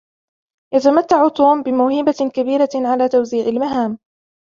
يتمتع توم بموهبة كبيرة على توزيع المهام.